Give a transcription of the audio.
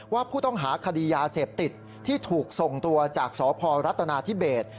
ว่าผู้ต้องหาคดียาเสพติดที่ถูกส่งตัวจากสพรัฐนาธิเบส